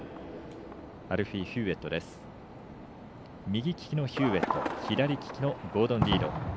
右利きのヒューウェット左利きのゴードン・リード。